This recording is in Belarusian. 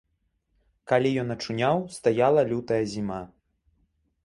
Калі ён ачуняў, стаяла лютая зіма.